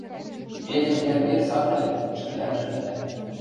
Эдем йӓл верц ак ӹлӹ, ӹшкӹлӓнжӹ ӹлӓ...